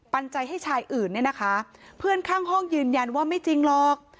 ปัญญาให้ชายอื่นเนี่ยนะคะเพื่อนข้างห้องยืนยันว่าไม่จริงหรอก